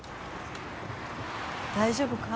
大丈夫か？